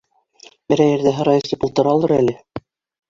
Берәй ерҙә һыра эсеп ултыралыр әле!